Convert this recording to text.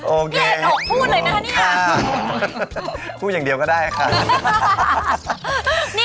โอเคโอเคค่ะพูดอย่างเดียวก็ได้ค่ะพี่เอกออกพูดเลยนะนี่